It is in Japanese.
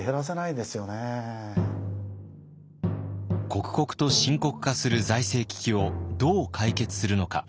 刻々と深刻化する財政危機をどう解決するのか。